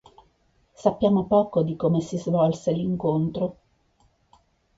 Sappiamo poco di come si svolse l'incontro.